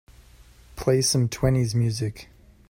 Play some twenties music